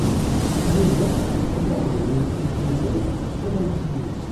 Yuba la yettelkensay tiɣawsiwin.